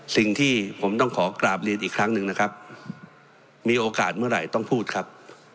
สิ่งที่ผมต้องขอกราบเรียนอีกครั้งหนึ่งนะครับมีโอกาสเมื่อไหร่ต้องพูดครับ